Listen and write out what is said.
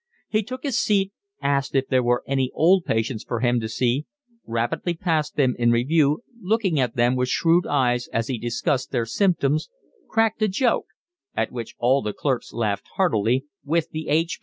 He took his seat, asked if there were any old patients for him to see, rapidly passed them in review, looking at them with shrewd eyes as he discussed their symptoms, cracked a joke (at which all the clerks laughed heartily) with the H.